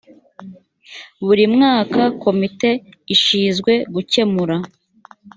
buri mwaka komite ishizwe gukemura